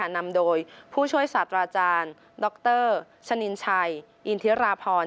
นำโดยผู้ช่วยศาสตราจารย์ดรชนินชัยอินทิราพร